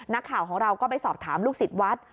นักข่าวของเราก็ไปสอบถามลูกศิษย์วัด